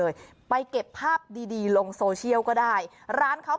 อยากไหม